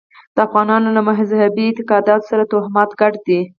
د افغانانو له مذهبي اعتقاداتو سره توهمات ګډ دي.